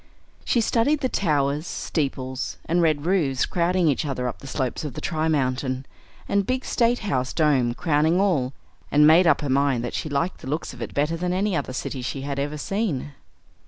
She studied the towers, steeples, and red roofs crowding each other up the slopes of the Tri Mountain, and the big State House dome crowning all, and made up her mind that she liked the looks of it better than any other city she had ever seen.